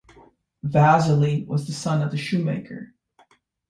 Vasily was the son of shoe maker.